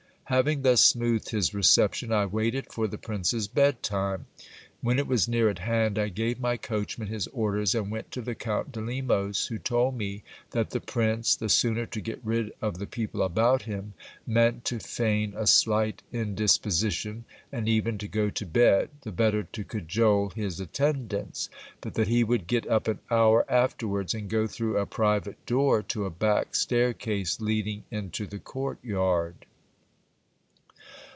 Having thus smoothed his reception, I waited for the prince's bed time. When it was near at hand, I gave my coachman his orders, and went to the Count de Lemos, who told me that the prince, the sooner to get rid of the people about him, meant to feign a slight indisposition, and even to go to bed, the better to cajole his attendants ; but that he would get up an hour after wards, and go through a private door to a back staircase leading into the court yard.